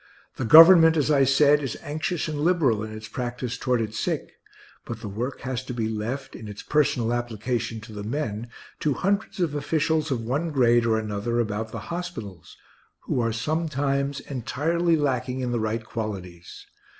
The Government, as I said, is anxious and liberal in its practice toward its sick; but the work has to be left, in its personal application to the men, to hundreds of officials of one grade or another about the hospitals, who are sometimes entirely lacking in the right qualities.